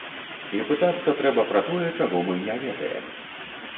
І пытацца трэба пра тое, чаго мы не ведаем.